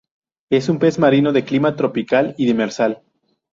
Es un pez marino, de clima tropical y demersal.